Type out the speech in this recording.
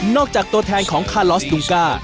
จากตัวแทนของคาลอสดูก้า